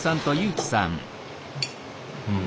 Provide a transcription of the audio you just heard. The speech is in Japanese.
うん。